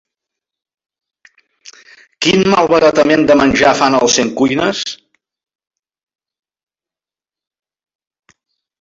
Quin malbaratament de menjar fan al Centcuines?